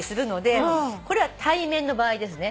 これは対面の場合ですね。